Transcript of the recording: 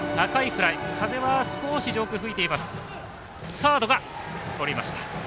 サードがとりました。